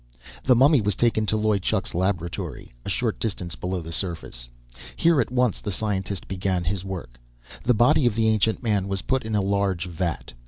The mummy was taken to Loy Chuk's laboratory, a short distance below the surface. Here at once, the scientist began his work. The body of the ancient man was put in a large vat.